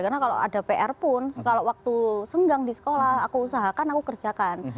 karena kalau ada pr pun kalau waktu senggang di sekolah aku usahakan aku kerjakan